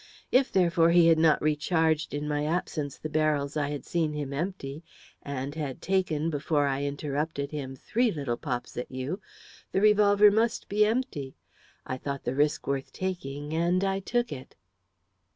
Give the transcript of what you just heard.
If, therefore, he had not recharged in my absence the barrels I had seen him empty, and had taken, before I interrupted him, three little pops at you, the revolver must be empty. I thought the risk worth taking, and I took it."